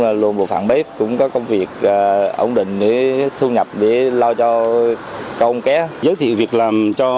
là lôn bộ phạm bếp cũng có công việc ổn định để thu nhập để lao cho ông ké giới thiệu việc làm cho